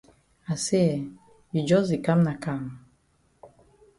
I say eh, you jus di kam na kam?